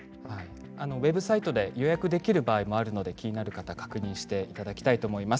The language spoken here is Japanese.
ウェブサイトで予約できる場合もあるので気になる方は確認していただきたいと思います。